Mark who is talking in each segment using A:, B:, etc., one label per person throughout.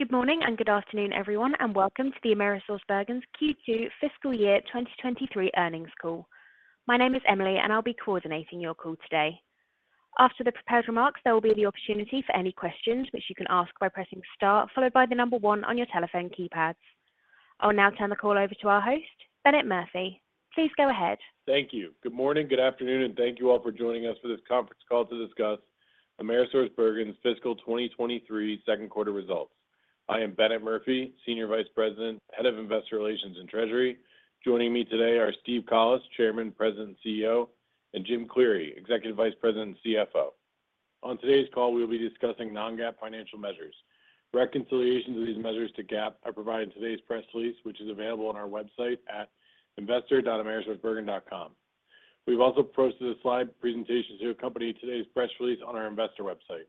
A: Good morning and good afternoon, everyone, and welcome to the Cencora's Q2 fiscal year 2023 earnings call. My name is Emily, and I'll be coordinating your call today. After the prepared remarks, there will be the opportunity for any questions, which you can ask by pressing star followed by the number 1 on your telephone keypad. I will now turn the call over to our host, Bennett Murphy. Please go ahead.
B: Thank you. Good morning, good afternoon, and thank you all for joining us for this conference call to discuss AmerisourceBergen's fiscal 2023 second quarter results. I am Bennett Murphy, Senior Vice President, Head of Investor Relations and Treasury. Joining me today are Steve Collis, Chairman, President, CEO, and Jim Cleary, Executive Vice President and CFO. On today's call, we will be discussing non-GAAP financial measures. Reconciliations of these measures to GAAP are provided in today's press release, which is available on our website at investor.amerisourcebergen.com. We've also posted a slide presentation to accompany today's press release on our investor website.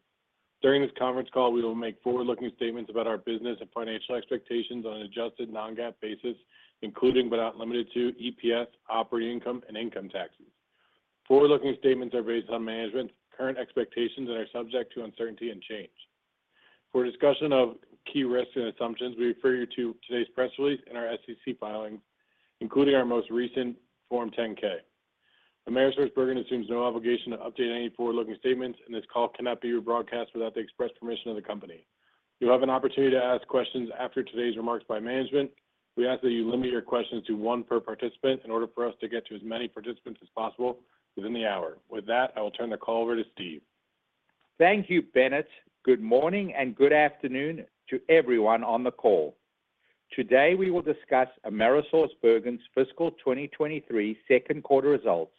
B: During this conference call, we will make forward-looking statements about our business and financial expectations on an adjusted non-GAAP basis, including but not limited to EPS, operating income and income taxes. Forward-looking statements are based on management's current expectations and are subject to uncertainty and change. For a discussion of key risks and assumptions, we refer you to today's press release and our SEC filings, including our most recent Form 10-K. Cencora assumes no obligation to update any forward-looking statements, and this call cannot be rebroadcast without the express permission of the company. You'll have an opportunity to ask questions after today's remarks by management. We ask that you limit your questions to one per participant in order for us to get to as many participants as possible within the hour. With that, I will turn the call over to Steve.
C: Thank you, Bennett. Good morning and good afternoon to everyone on the call. Today, we will discuss Cencora's fiscal 2023 second quarter results,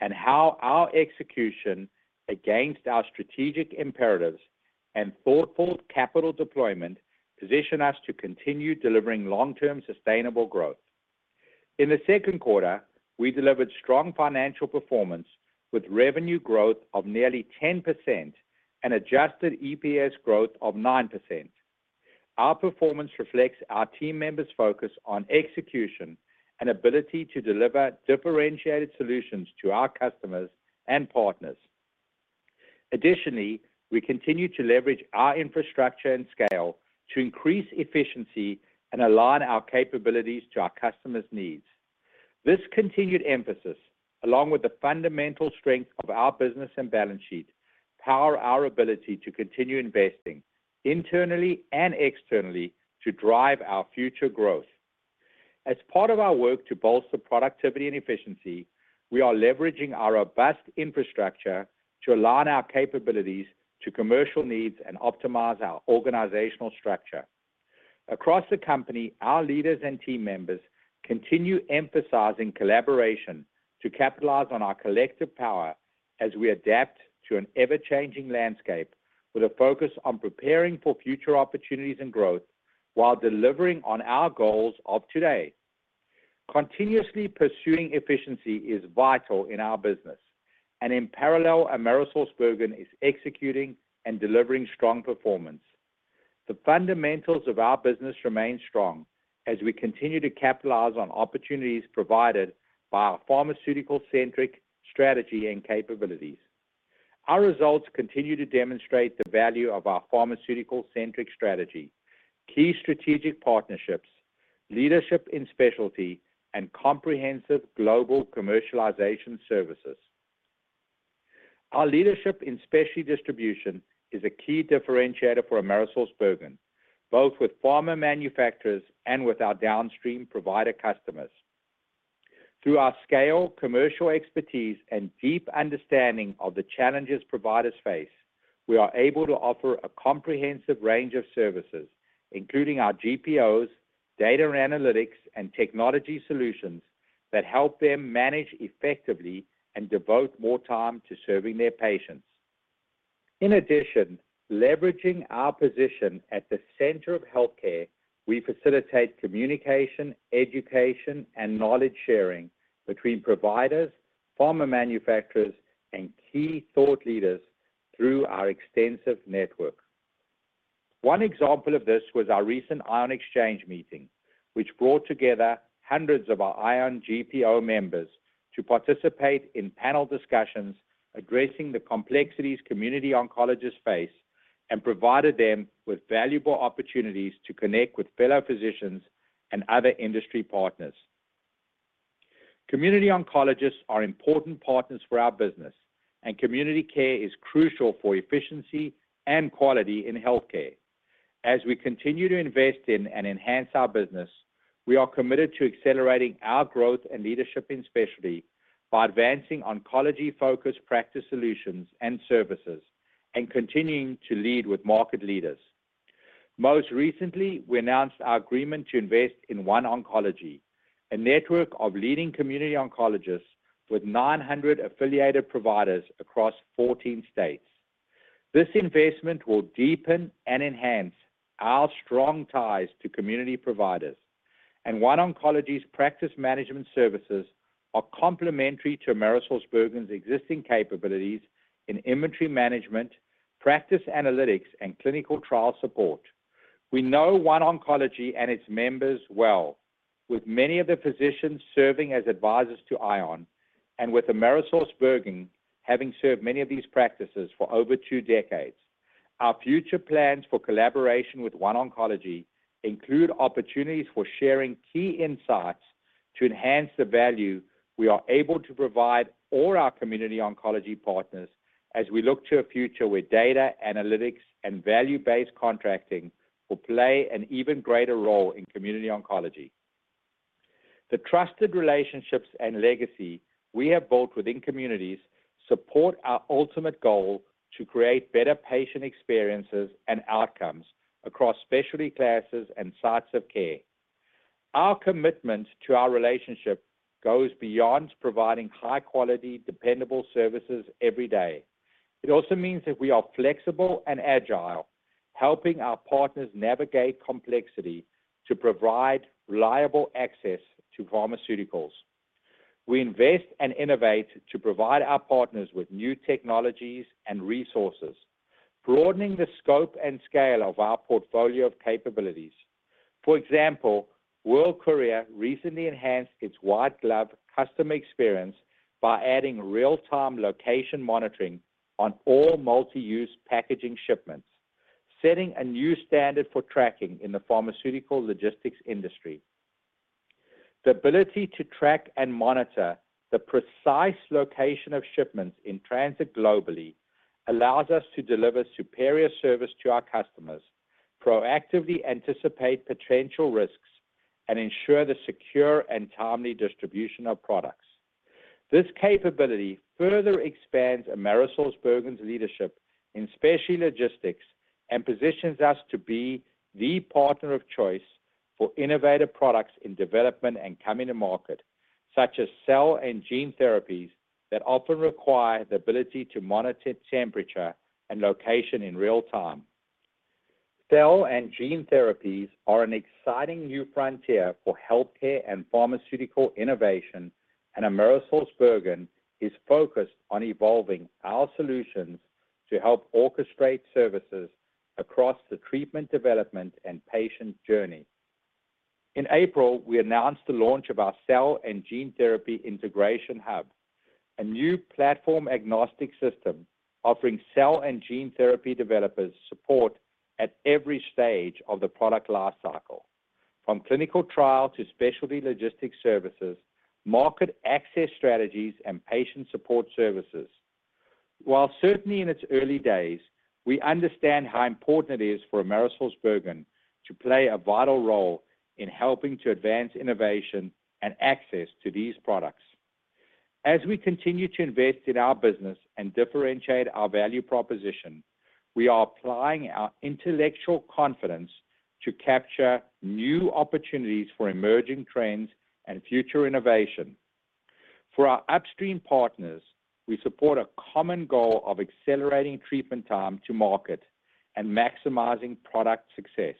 C: and how our execution against our strategic imperatives and thoughtful capital deployment position us to continue delivering long-term sustainable growth. In the second quarter, we delivered strong financial performance with revenue growth of nearly 10% and adjusted EPS growth of 9%. Our performance reflects our team members' focus on execution and ability to deliver differentiated solutions to our customers and partners. Additionally, we continue to leverage our infrastructure and scale to increase efficiency and align our capabilities to our customers' needs. This continued emphasis, along with the fundamental strength of our business and balance sheet, power our ability to continue investing internally and externally to drive our future growth. As part of our work to bolster productivity and efficiency, we are leveraging our vast infrastructure to align our capabilities to commercial needs and optimize our organizational structure. Across the company, our leaders and team members continue emphasizing collaboration to capitalize on our collective power as we adapt to an ever-changing landscape with a focus on preparing for future opportunities and growth while delivering on our goals of today. Continuously pursuing efficiency is vital in our business, and in parallel, AmerisourceBergen is executing and delivering strong performance. The fundamentals of our business remain strong as we continue to capitalize on opportunities provided by our pharmaceutical-centric strategy and capabilities. Our results continue to demonstrate the value of our pharmaceutical-centric strategy, key strategic partnerships, leadership in specialty, and comprehensive global commercialization services. Our leadership in specialty distribution is a key differentiator for Cencora, both with pharma manufacturers and with our downstream provider customers. Through our scale, commercial expertise and deep understanding of the challenges providers face, we are able to offer a comprehensive range of services, including our GPOs, data analytics and technology solutions that help them manage effectively and devote more time to serving their patients. In addition, leveraging our position at the center of healthcare, we facilitate communication, education and knowledge sharing between providers, pharma manufacturers and key thought leaders through our extensive network. One example of this was our recent ION Exchange meeting, which brought together hundreds of our ION GPO members to participate in panel discussions addressing the complexities community oncologists face and provided them with valuable opportunities to connect with fellow physicians and other industry partners. Community oncologists are important partners for our business, and community care is crucial for efficiency and quality in healthcare. As we continue to invest in and enhance our business, we are committed to accelerating our growth and leadership in specialty by advancing oncology-focused practice solutions and services and continuing to lead with market leaders. Most recently, we announced our agreement to invest in OneOncology, a network of leading community oncologists with 900 affiliated providers across 14 states. This investment will deepen and enhance our strong ties to community providers, and OneOncology's practice management services are complementary to AmerisourceBergen's existing capabilities in inventory management, practice analytics and clinical trial support. We know OneOncology and its members well, with many of the physicians serving as advisors to ION. With AmerisourceBergen having served many of these practices for over two decades, our future plans for collaboration with OneOncology include opportunities for sharing key insights to enhance the value we are able to provide all our community oncology partners as we look to a future where data analytics and value-based contracting will play an even greater role in community oncology. The trusted relationships and legacy we have built within communities support our ultimate goal to create better patient experiences and outcomes across specialty classes and sites of care. Our commitment to our relationship goes beyond providing high-quality, dependable services every day. It also means that we are flexible and agile, helping our partners navigate complexity to provide reliable access to pharmaceuticals. We invest and innovate to provide our partners with new technologies and resources, broadening the scope and scale of our portfolio of capabilities. For example, World Courier recently enhanced its white glove customer experience by adding real-time location monitoring on all multi-use packaging shipments, setting a new standard for tracking in the pharmaceutical logistics industry. The ability to track and monitor the precise location of shipments in transit globally allows us to deliver superior service to our customers, proactively anticipate potential risks, and ensure the secure and timely distribution of products. This capability further expands Cencora's leadership in specialty logistics and positions us to be the partner of choice for innovative products in development and coming to market, such as cell and gene therapies that often require the ability to monitor temperature and location in real time. Cell and gene therapies are an exciting new frontier for healthcare and pharmaceutical innovation, and AmerisourceBergen is focused on evolving our solutions to help orchestrate services across the treatment development and patient journey. In April, we announced the launch of our Cell and Gene Therapy Integration Hub, a new platform-agnostic system offering cell and gene therapy developers support at every stage of the product life cycle, from clinical trial to specialty logistics services, market access strategies, and patient support services. While certainly in its early days, we understand how important it is for AmerisourceBergen to play a vital role in helping to advance innovation and access to these products. As we continue to invest in our business and differentiate our value proposition, we are applying our intellectual confidence to capture new opportunities for emerging trends and future innovation. For our upstream partners, we support a common goal of accelerating treatment time to market and maximizing product success.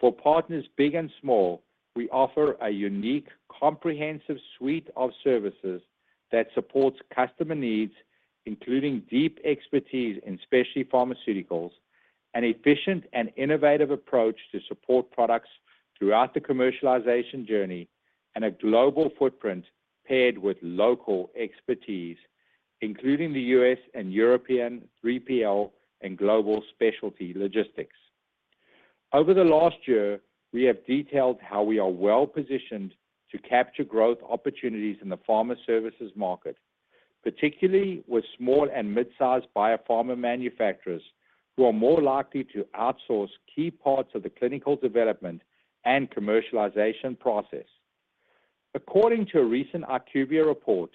C: For partners big and small, we offer a unique, comprehensive suite of services that supports customer needs, including deep expertise in specialty pharmaceuticals, an efficient and innovative approach to support products throughout the commercialization journey, and a global footprint paired with local expertise, including the U.S. and European 3PL and global specialty logistics. Over the last year, we have detailed how we are well-positioned to capture growth opportunities in the pharma services market, particularly with small and mid-sized biopharma manufacturers who are more likely to outsource key parts of the clinical development and commercialization process. According to a recent IQVIA report,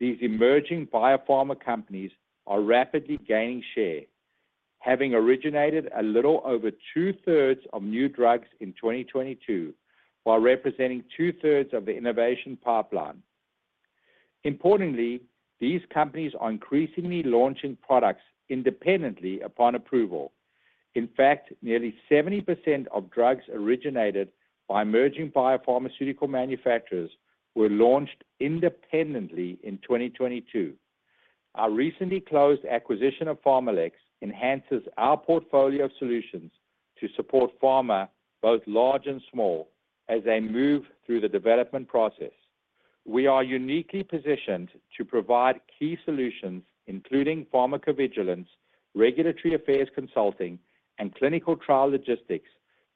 C: these emerging biopharma companies are rapidly gaining share, having originated a little over 2/3 of new drugs in 2022, while representing 2/3 of the innovation pipeline. Importantly, these companies are increasingly launching products independently upon approval. Nearly 70% of drugs originated by emerging biopharmaceutical manufacturers were launched independently in 2022. Our recently closed acquisition of PharmaLex enhances our portfolio of solutions to support pharma, both large and small, as they move through the development process. We are uniquely positioned to provide key solutions, including pharmacovigilance, regulatory affairs consulting, and clinical trial logistics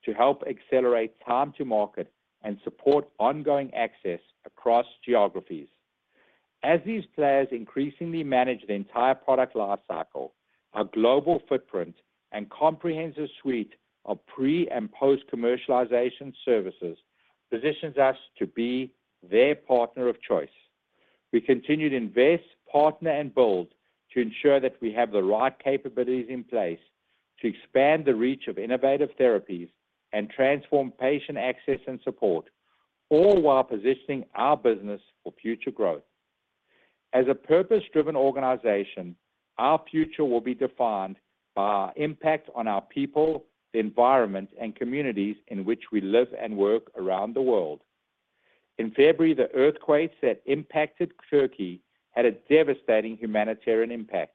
C: to help accelerate time to market and support ongoing access across geographies. As these players increasingly manage the entire product life cycle, our global footprint and comprehensive suite of pre- and post-commercialization services positions us to be their partner of choice. We continue to invest, partner, and build to ensure that we have the right capabilities in place to expand the reach of innovative therapies and transform patient access and support, all while positioning our business for future growth. As a purpose-driven organization, our future will be defined by our impact on our people, the environment, and communities in which we live and work around the world. In February, the earthquakes that impacted Turkey had a devastating humanitarian impact.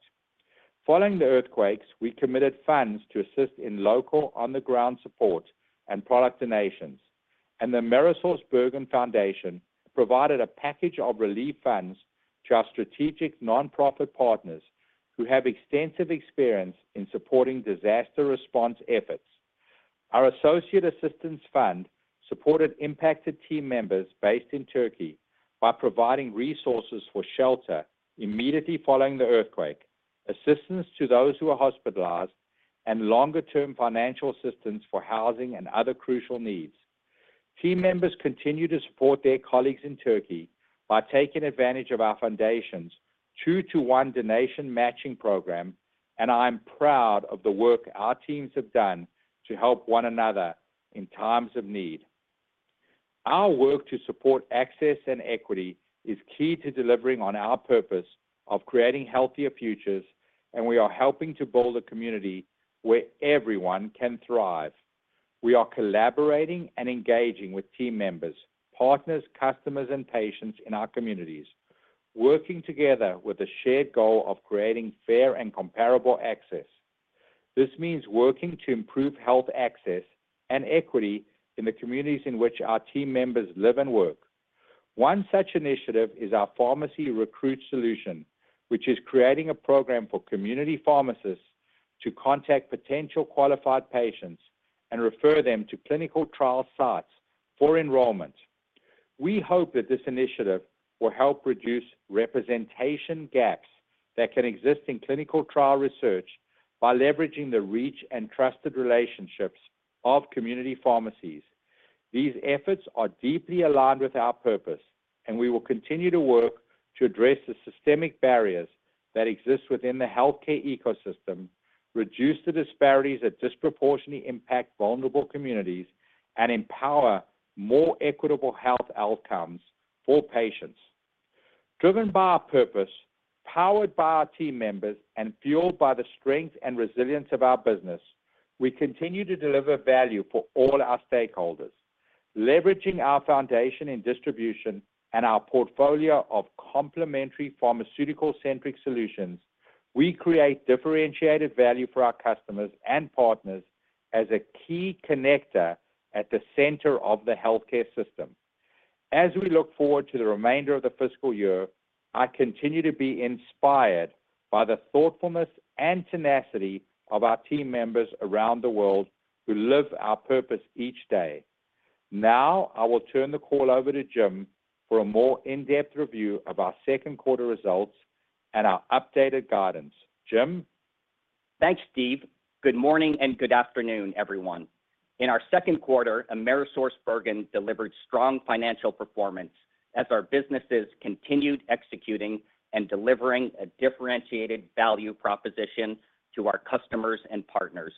C: Following the earthquakes, we committed funds to assist in local on-the-ground support and product donations, and the AmerisourceBergen Foundation provided a package of relief funds to our strategic nonprofit partners who have extensive experience in supporting disaster response efforts. Our associate assistance fund supported impacted team members based in Turkey by providing resources for shelter immediately following the earthquake, assistance to those who are hospitalized, and longer-term financial assistance for housing and other crucial needs. Team members continue to support their colleagues in Turkey by taking advantage of our Foundation's 2-to-1 donation matching program. I'm proud of the work our teams have done to help one another in times of need. Our work to support access and equity is key to delivering on our purpose of creating healthier futures. We are helping to build a community where everyone can thrive. We are collaborating and engaging with team members, partners, customers, and patients in our communities, working together with a shared goal of creating fair and comparable access. This means working to improve health access and equity in the communities in which our team members live and work. One such initiative is our Pharmacy Recruit solution, which is creating a program for community pharmacists to contact potential qualified patients and refer them to clinical trial sites for enrollment. We hope that this initiative will help reduce representation gaps that can exist in clinical trial research by leveraging the reach and trusted relationships of community pharmacies. These efforts are deeply aligned with our purpose, and we will continue to work to address the systemic barriers that exist within the healthcare ecosystem, reduce the disparities that disproportionately impact vulnerable communities, and empower more equitable health outcomes for patients. Driven by our purpose, powered by our team members, and fueled by the strength and resilience of our business, we continue to deliver value for all our stakeholders. Leveraging our foundation in distribution and our portfolio of complementary pharmaceutical-centric solutions, we create differentiated value for our customers and partners as a key connector at the center of the healthcare system. As we look forward to the remainder of the fiscal year, I continue to be inspired by the thoughtfulness and tenacity of our team members around the world who live our purpose each day. I will turn the call over to Jim for a more in-depth review of our second quarter results and our updated guidance. Jim.
D: Thanks, Steve. Good morning and good afternoon, everyone. In our second quarter, AmerisourceBergen delivered strong financial performance as our businesses continued executing and delivering a differentiated value proposition to our customers and partners.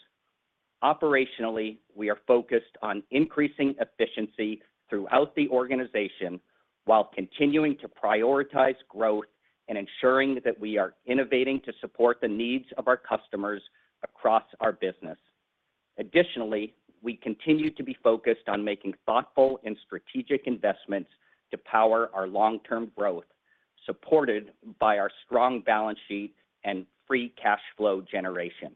D: Operationally, we are focused on increasing efficiency throughout the organization while continuing to prioritize growth and ensuring that we are innovating to support the needs of our customers across our business. We continue to be focused on making thoughtful and strategic investments to power our long-term growth, supported by our strong balance sheet and free cash flow generation.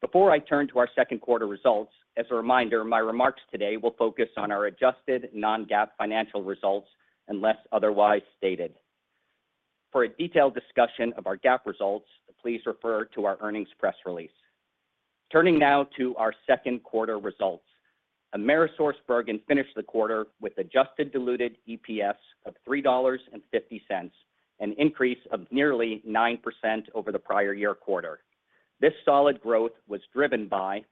D: Before I turn to our second quarter results, as a reminder, my remarks today will focus on our adjusted non-GAAP financial results, unless otherwise stated. For a detailed discussion of our GAAP results, please refer to our earnings press release. Turning now to our second quarter results. Cencora finished the quarter with adjusted diluted EPS of $3.50, an increase of nearly 9% over the prior year quarter. This solid growth was driven by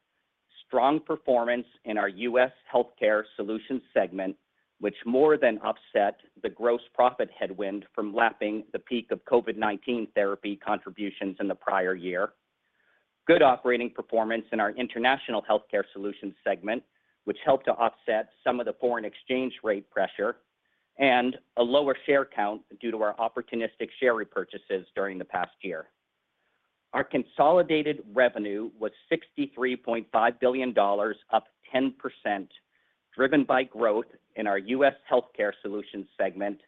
D: strong performance in our U.S. Healthcare Solutions segment, which more than offset the gross profit headwind from lapping the peak of COVID-19 therapy contributions in the prior year. Good operating performance in our International Healthcare Solutions segment, which helped to offset some of the foreign exchange rate pressure and a lower share count due to our opportunistic share repurchases during the past year. Our consolidated revenue was $63.5 billion, up 10%, driven by growth in our U.S. Healthcare Solutions segment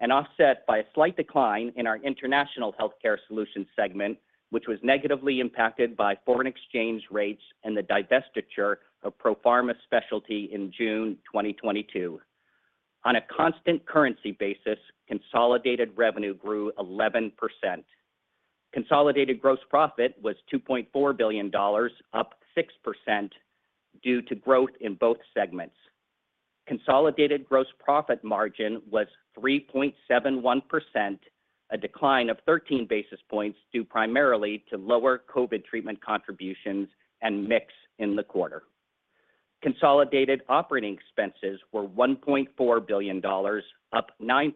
D: and offset by a slight decline in our International Healthcare Solutions segment, which was negatively impacted by foreign exchange rates and the divestiture of Profarma Specialty in June 2022. On a constant currency basis, consolidated revenue grew 11%. Consolidated gross profit was $2.4 billion, up 6% due to growth in both segments. Consolidated gross profit margin was 3.71%, a decline of 13 basis points due primarily to lower COVID treatment contributions and mix in the quarter. Consolidated operating expenses were $1.4 billion, up 9%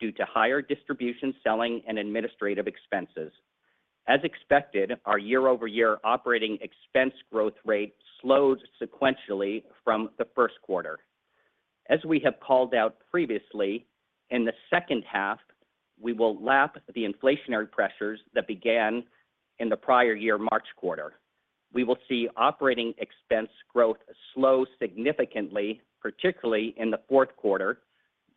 D: due to higher distribution, selling, and administrative expenses. As expected, our year-over-year operating expense growth rate slowed sequentially from the first quarter. As we have called out previously, in the second half, we will lap the inflationary pressures that began in the prior year March quarter. We will see operating expense growth slow significantly, particularly in the fourth quarter.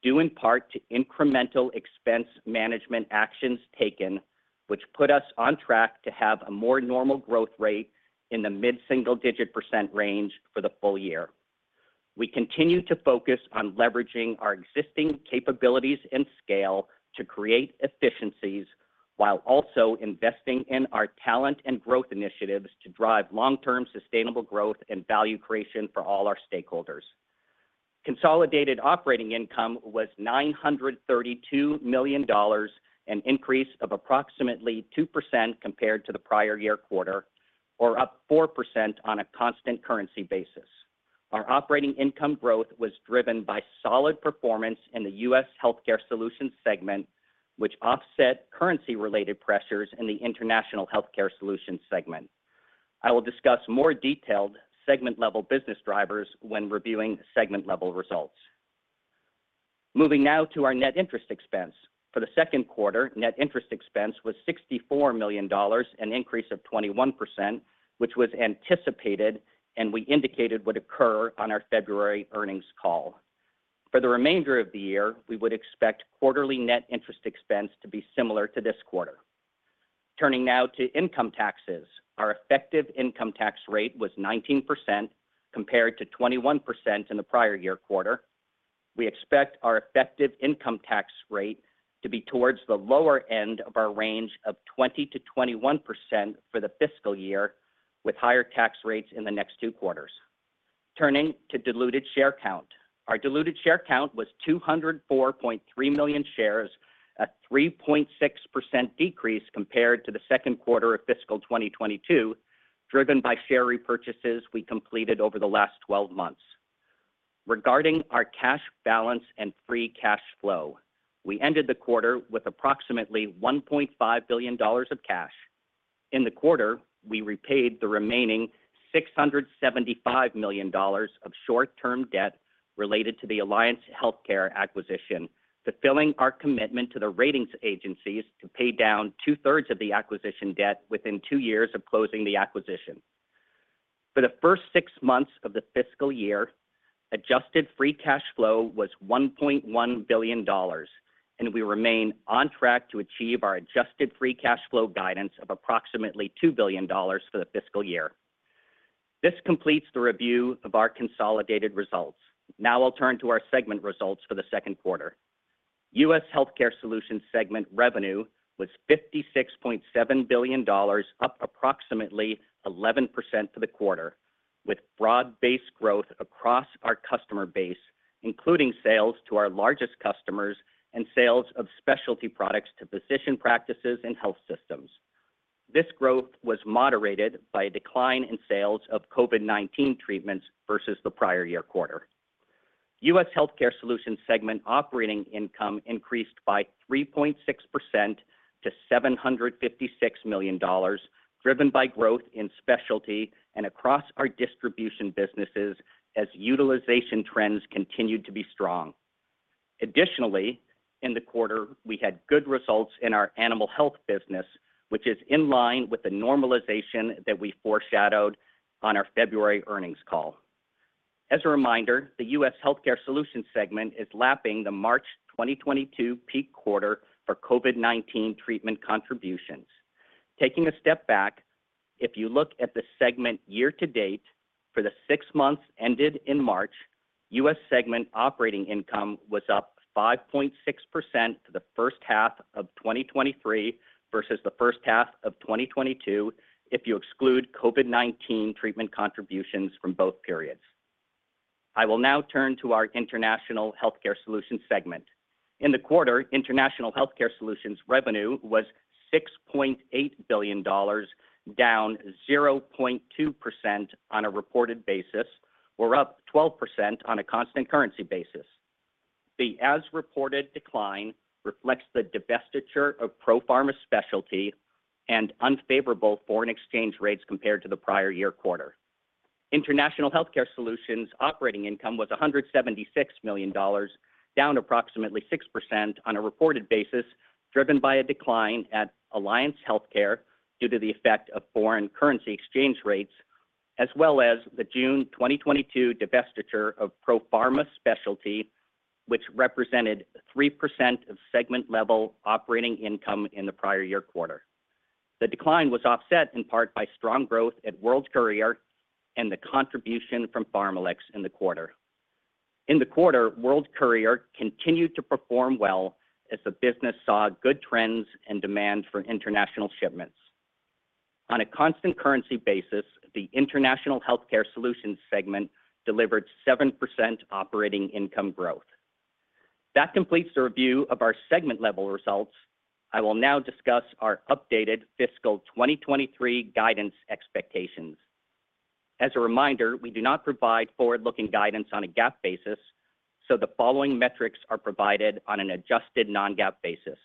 D: Due in part to incremental expense management actions taken, which put us on track to have a more normal growth rate in the mid-single digit % range for the full year. We continue to focus on leveraging our existing capabilities and scale to create efficiencies while also investing in our talent and growth initiatives to drive long-term sustainable growth and value creation for all our stakeholders. Consolidated operating income was $932 million, an increase of approximately 2% compared to the prior year quarter, or up 4% on a constant currency basis. Our operating income growth was driven by solid performance in the U.S. Healthcare Solutions segment, which offset currency-related pressures in the International Healthcare Solutions segment. I will discuss more detailed segment-level business drivers when reviewing segment-level results. Moving now to our net interest expense. For the second quarter, net interest expense was $64 million, an increase of 21%, which was anticipated and we indicated would occur on our February earnings call. For the remainder of the year, we would expect quarterly net interest expense to be similar to this quarter. Turning now to income taxes. Our effective income tax rate was 19% compared to 21% in the prior year quarter. We expect our effective income tax rate to be towards the lower end of our range of 20%-21% for the fiscal year, with higher tax rates in the next two quarters. Turning to diluted share count. Our diluted share count was 204.3 million shares, a 3.6% decrease compared to the second quarter of fiscal 2022, driven by share repurchases we completed over the last 12 months. Regarding our cash balance and free cash flow, we ended the quarter with approximately $1.5 billion of cash. In the quarter, we repaid the remaining $675 million of short-term debt related to the Alliance Healthcare acquisition, fulfilling our commitment to the ratings agencies to pay down two-thirds of the acquisition debt within 2 years of closing the acquisition. For the first 6 months of the fiscal year, adjusted free cash flow was $1.1 billion, and we remain on track to achieve our adjusted free cash flow guidance of approximately $2 billion for the fiscal year. This completes the review of our consolidated results. Now I'll turn to our segment results for the second quarter. U.S. Healthcare Solutions segment revenue was $56.7 billion, up approximately 11% for the quarter, with broad-based growth across our customer base, including sales to our largest customers and sales of specialty products to physician practices and health systems. This growth was moderated by a decline in sales of COVID-19 treatments versus the prior year quarter. U.S. Healthcare Solutions segment operating income increased by 3.6% to $756 million, driven by growth in specialty and across our distribution businesses as utilization trends continued to be strong. Additionally, in the quarter, we had good results in our animal health business, which is in line with the normalization that we foreshadowed on our February earnings call. As a reminder, the U.S. Healthcare Solutions segment is lapping the March 2022 peak quarter for COVID-19 treatment contributions. Taking a step back, if you look at the segment year to date for the 6 months ended in March, U.S. segment operating income was up 5.6% for the first half of 2023 versus the first half of 2022 if you exclude COVID-19 treatment contributions from both periods. I will now turn to our International Healthcare Solutions segment. In the quarter, International Healthcare Solutions revenue was $6.8 billion, down 0.2% on a reported basis, or up 12% on a constant currency basis. The as-reported decline reflects the divestiture of Profarma Specialty and unfavorable foreign exchange rates compared to the prior year quarter. International Healthcare Solutions operating income was $176 million, down approximately 6% on a reported basis, driven by a decline at Alliance Healthcare due to the effect of foreign currency exchange rates, as well as the June 2022 divestiture of Profarma Specialty, which represented 3% of segment level operating income in the prior year quarter. The decline was offset in part by strong growth at World Courier and the contribution from PharmaLex in the quarter. In the quarter, World Courier continued to perform well as the business saw good trends and demand for international shipments. On a constant currency basis, the International Healthcare Solutions segment delivered 7% operating income growth. That completes the review of our segment level results. I will now discuss our updated fiscal 2023 guidance expectations. As a reminder, we do not provide forward-looking guidance on a GAAP basis, so the following metrics are provided on an adjusted non-GAAP basis.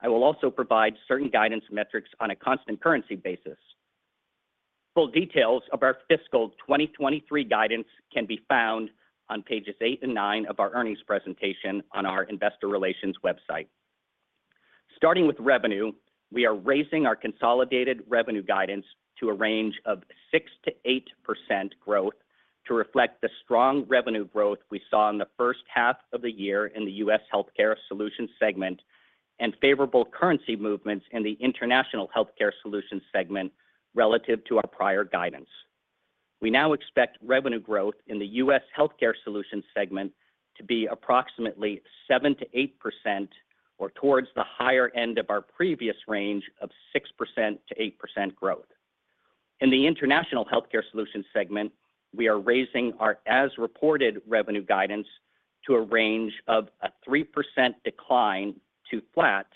D: I will also provide certain guidance metrics on a constant currency basis. Full details of our fiscal 2023 guidance can be found on pages 8 and 9 of our earnings presentation on our investor relations website. Starting with revenue, we are raising our consolidated revenue guidance to a range of 6%-8% growth to reflect the strong revenue growth we saw in the first half of the year in the U.S. Healthcare Solutions segment and favorable currency movements in the International Healthcare Solutions segment relative to our prior guidance. We now expect revenue growth in the U.S. Healthcare Solutions segment to be approximately 7%-8% or towards the higher end of our previous range of 6%-8% growth. In the International Healthcare Solutions segment, we are raising our as-reported revenue guidance to a range of a 3% decline to flat,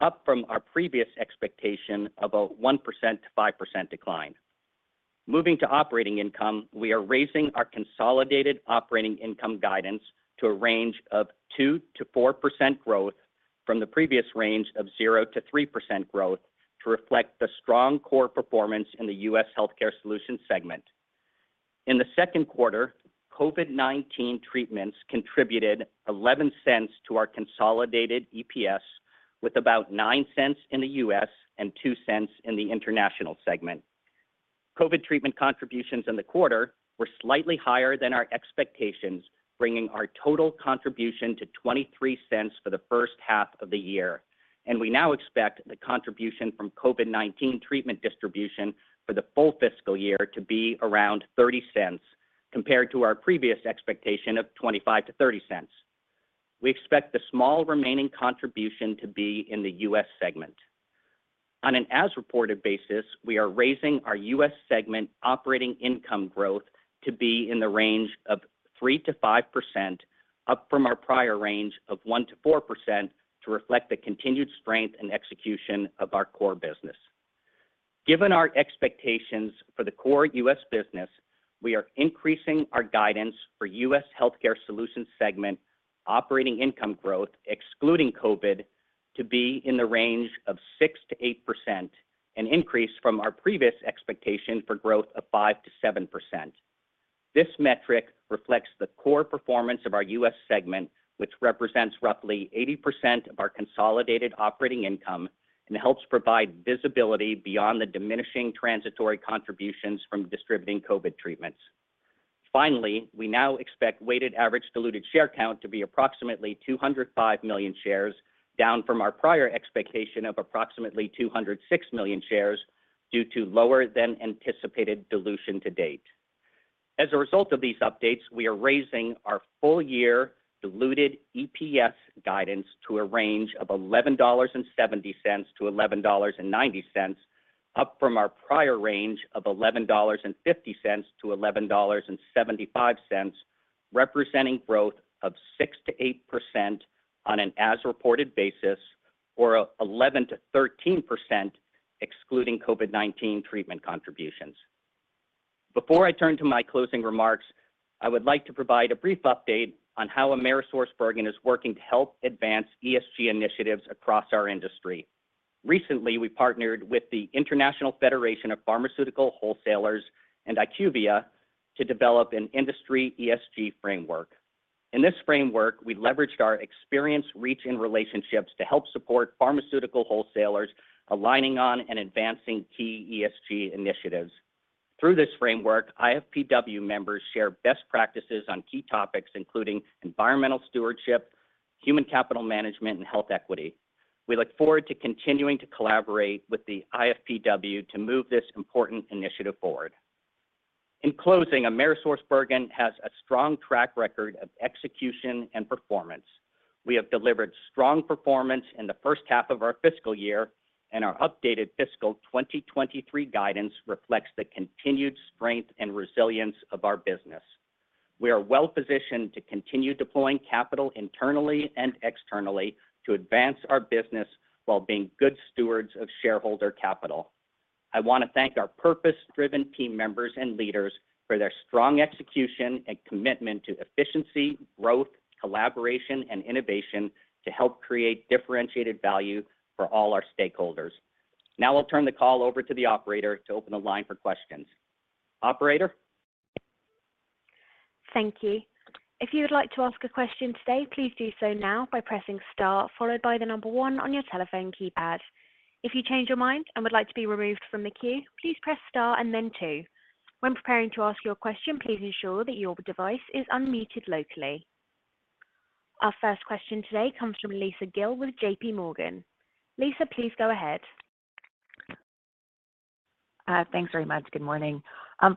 D: up from our previous expectation of a 1%-5% decline. Moving to operating income, we are raising our consolidated operating income guidance to a range of 2%-4% growth from the previous range of 0%-3% growth to reflect the strong core performance in the U.S. Healthcare Solutions segment. In the second quarter, COVID-19 treatments contributed $0.11 to our consolidated EPS, with about $0.09 in the U.S. and $0.02 in the international segment. COVID treatment contributions in the quarter were slightly higher than our expectations, bringing our total contribution to $0.23 for the first half of the year. We now expect the contribution from COVID-19 treatment distribution for the full fiscal year to be around $0.30, compared to our previous expectation of $0.25-$0.30. We expect the small remaining contribution to be in the U.S. segment. On an as-reported basis, we are raising our U.S. segment operating income growth to be in the range of 3%-5%, up from our prior range of 1%-4%, to reflect the continued strength and execution of our core business. Given our expectations for the core U.S. business, we are increasing our guidance for U.S. Healthcare Solutions segment operating income growth, excluding COVID, to be in the range of 6%-8%, an increase from our previous expectation for growth of 5%-7%. This metric reflects the core performance of our U.S. segment, which represents roughly 80% of our consolidated operating income and helps provide visibility beyond the diminishing transitory contributions from distributing COVID-19 treatments. Finally, we now expect weighted average diluted share count to be approximately 205 million shares, down from our prior expectation of approximately 206 million shares, due to lower than anticipated dilution to date. As a result of these updates, we are raising our full-year diluted EPS guidance to a range of $11.70-$11.90, up from our prior range of $11.50-$11.75, representing growth of 6%-8% on an as-reported basis or 11%-13% excluding COVID-19 treatment contributions. Before I turn to my closing remarks, I would like to provide a brief update on how Cencora is working to help advance ESG initiatives across our industry. Recently, we partnered with the International Federation of Pharmaceutical Wholesalers and IQVIA to develop an industry ESG framework. In this framework, we leveraged our experience, reach, and relationships to help support pharmaceutical wholesalers aligning on and advancing key ESG initiatives. Through this framework, IFPW members share best practices on key topics including environmental stewardship, human capital management, and health equity. We look forward to continuing to collaborate with the IFPW to move this important initiative forward. In closing, Cencora has a strong track record of execution and performance. We have delivered strong performance in the first half of our fiscal year, and our updated fiscal 2023 guidance reflects the continued strength and resilience of our business. We are well positioned to continue deploying capital internally and externally to advance our business while being good stewards of shareholder capital. I want to thank our purpose-driven team members and leaders for their strong execution and commitment to efficiency, growth, collaboration, and innovation to help create differentiated value for all our stakeholders. I'll turn the call over to the operator to open the line for questions. Operator.
A: Thank you. If you would like to ask a question today, please do so now by pressing star followed by 1 on your telephone keypad. If you change your mind and would like to be removed from the queue, please press star and then 2. When preparing to ask your question, please ensure that your device is unmuted locally. Our first question today comes from Lisa Gill with JP Morgan. Lisa, please go ahead.
E: Thanks very much. Good morning.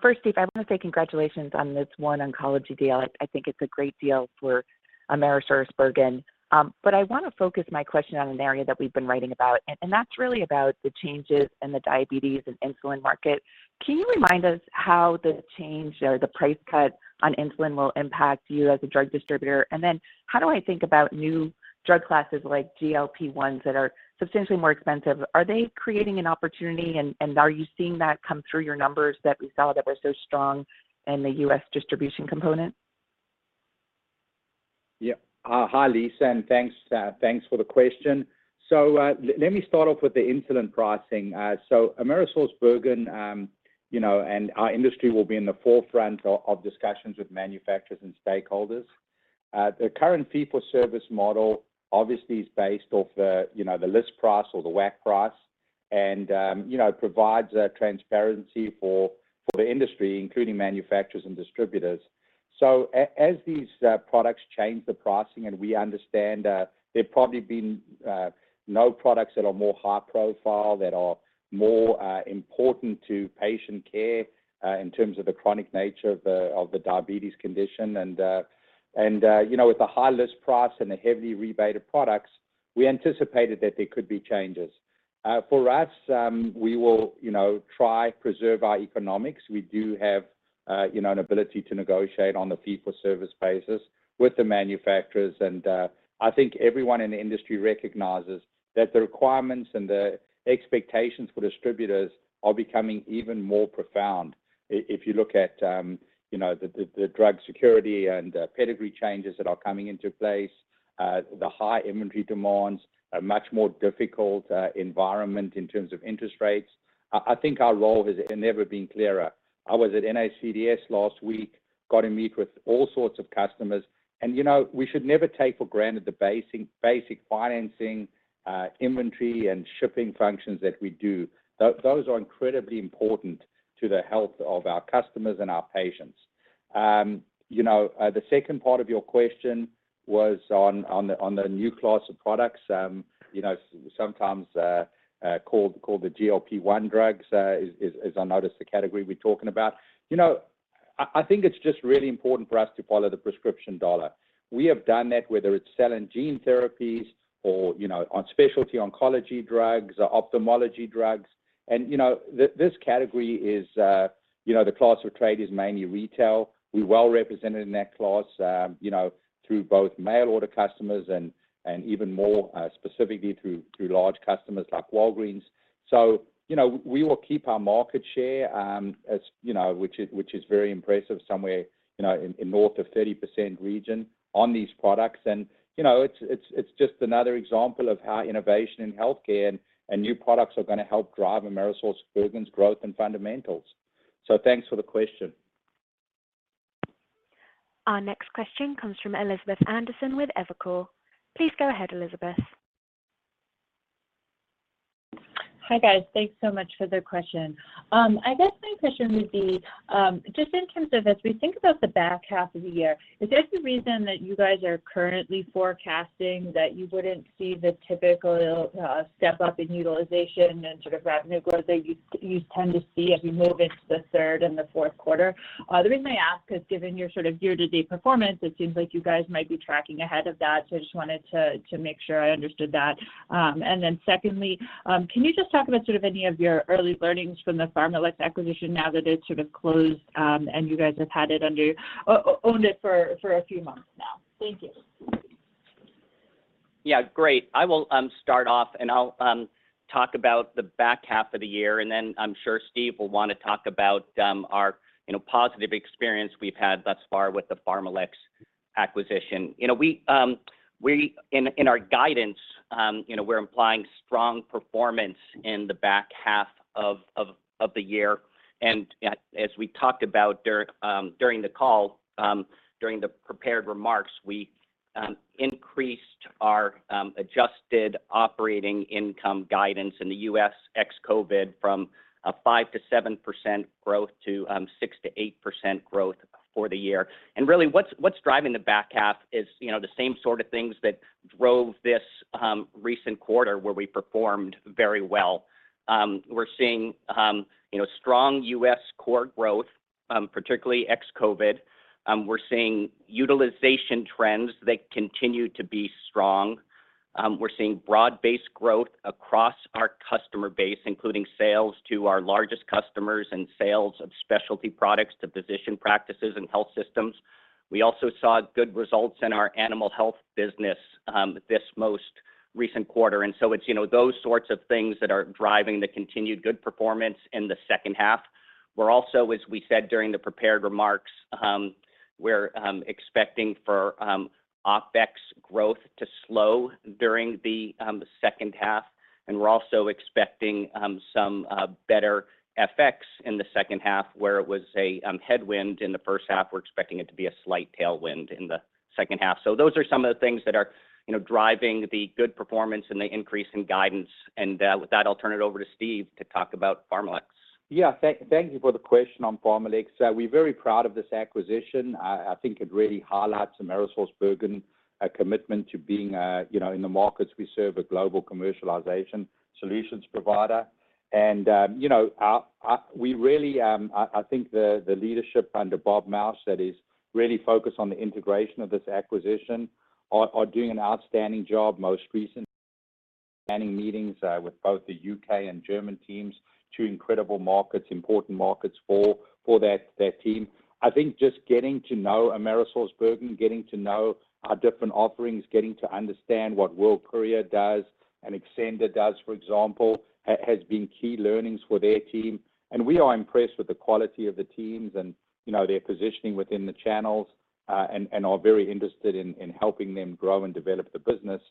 E: First, Steve, I want to say congratulations on this OneOncology deal. I think it's a great deal for Cencora. I want to focus my question on an area that we've been writing about, and that's really about the changes in the diabetes and insulin market. Can you remind us how the change or the price cut on insulin will impact you as a drug distributor? Then how do I think about new drug classes like GLP-1s that are substantially more expensive? Are they creating an opportunity and are you seeing that come through your numbers that we saw that were so strong in the U.S. distribution component?
C: Yeah. Hi, Lisa, thanks for the question. Let me start off with the insulin pricing. AmerisourceBergen. You know, our industry will be in the forefront of discussions with manufacturers and stakeholders. The current fee for service model obviously is based off the, you know, the list price or the WAC price and, you know, provides a transparency for the industry, including manufacturers and distributors. As these products change the pricing and we understand, there have probably been no products that are more high profile, that are more important to patient care, in terms of the chronic nature of the diabetes condition and, you know, with the high list price and the heavily rebated products, we anticipated that there could be changes. For us, we will, you know, try preserve our economics. We do have, you know, an ability to negotiate on the fee for service basis with the manufacturers. I think everyone in the industry recognizes that the requirements and the expectations for distributors are becoming even more profound. If you look at, you know, the drug security and pedigree changes that are coming into place, the high inventory demands, a much more difficult environment in terms of interest rates, I think our role has never been clearer. I was at NACDS last week, got to meet with all sorts of customers. You know, we should never take for granted the basic financing, inventory and shipping functions that we do. Those are incredibly important to the health of our customers and our patients. You know, the second part of your question was on the, on the new class of products, you know, sometimes called the GLP-1 drugs, is I notice the category we're talking about. You know, I think it's just really important for us to follow the prescription dollar. We have done that, whether it's selling gene therapies or, you know, on specialty oncology drugs or ophthalmology drugs. You know, this category is, you know, the class of trade is mainly retail. We're well represented in that class, you know, through both mail order customers and even more specifically through large customers like Walgreens. You know, we will keep our market share, as, you know, which is very impressive, somewhere, you know, in north of 30% region on these products. You know, it's, it's just another example of how innovation in healthcare and new products are going to help drive AmerisourceBergen's growth and fundamentals. Thanks for the question.
A: Our next question comes from Elizabeth Anderson with Evercore. Please go ahead, Elizabeth.
F: Hi, guys. Thanks so much for the question. I guess my question would be, just in terms of as we think about the back half of the year, is there some reason that you guys are currently forecasting that you wouldn't see the typical step-up in utilization and sort of revenue growth that you tend to see as we move into the third and the fourth quarter? The reason I ask is given your sort of year-to-date performance, it seems like you guys might be tracking ahead of that. I just wanted to make sure I understood that. Secondly, can you just talk about sort of any of your early learnings from the PharmaLex acquisition now that it's sort of closed, and you guys have had it owned it for a few months now. Thank you.
D: Yeah, great. I will start off, and I'll talk about the back half of the year, and then I'm sure Steve will want to talk about our, you know, positive experience we've had thus far with the PharmaLex acquisition. You know, we, in our guidance, you know, we're implying strong performance in the back half of the year. As we talked about during the call, during the prepared remarks, we increased our adjusted operating income guidance in the U.S. ex-COVID from a 5%-7% growth to 6%-8% growth for the year. Really what's driving the back half is, you know, the same sort of things that drove this recent quarter where we performed very well. We're seeing, you know, strong U.S. core growth, particularly ex-COVID. We're seeing utilization trends that continue to be strong. We're seeing broad-based growth across our customer base, including sales to our largest customers and sales of specialty products to physician practices and health systems. We also saw good results in our animal health business this most recent quarter. It's, you know, those sorts of things that are driving the continued good performance in the second half. We're also, as we said during the prepared remarks, we're expecting for OpEx growth to slow during the second half, and we're also expecting some better FX in the second half, where it was a headwind in the first half. We're expecting it to be a slight tailwind in the second half. Those are some of the things that are, you know, driving the good performance and the increase in guidance. With that, I'll turn it over to Steve to talk about PharmaLex.
C: Yeah. Thank you for the question on PharmaLex. We're very proud of this acquisition. I think it really highlights AmerisourceBergen, a commitment to being, you know, in the markets we serve, a global commercialization solutions provider. You know, We really, I think the leadership under Bob Mauch that is really focused on the integration of this acquisition are doing an outstanding job. Most recently, planning meetings with both the UK and German teams, two incredible markets, important markets for that team. I think just getting to know AmerisourceBergen, getting to know our different offerings, getting to understand what World Courier does and Xcenda does, for example, has been key learnings for their team. We are impressed with the quality of the teams and, you know, their positioning within the channels, and are very interested in helping them grow and develop the business.